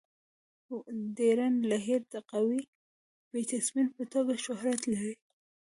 ډیرن لیهر د قوي بيټسمېن په توګه شهرت لري.